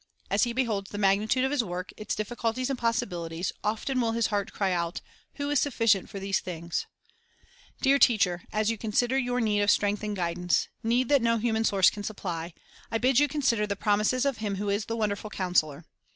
As he beholds the magnitude of his work, its difficulties and possibilities, 2X2 The Under Teacher Our Source of Help The Highest Preparation often will his heart cry out, "Who is sufficient for these things?" Dear teacher, as you consider your need of strength and guidance, — need that no human source can sup ply, — I bid you consider the promises of Him who is the wonderful Counselor.